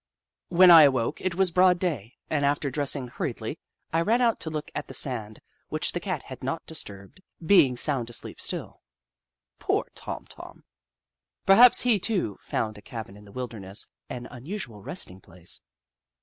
When I awoke, it was broad day, and after dressing hurriedly, I ran out to look at the sand, which the Cat had not disturbed, being sound 6 The Book of Clever Beasts asleep still. Poor Tom Tom ! Perhaps he, too, found a cabin in the wilderness an un usual resting place.